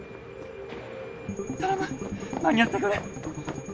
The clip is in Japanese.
頼む間に合ってくれ。